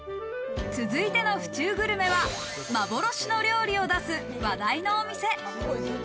続いての府中グルメは幻の料理を出す話題のお店。